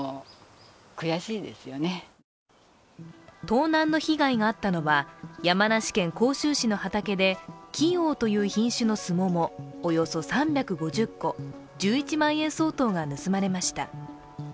盗難の被害があったのは山梨県甲州市の畑で貴陽という品種のすもも、およそ３５０個、１１万円相当が盗まれました。